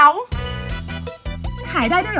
มันขายได้ด้วยเหรอ